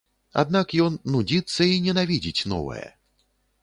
Аднак ён нудзіцца і ненавідзіць новае.